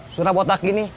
sudah buat lagi nih